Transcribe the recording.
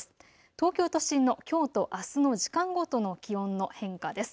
東京都心のきょうとあすの時間ごとの気温の変化です。